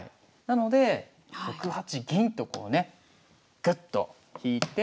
なので６八銀とこうねぐっと引いて。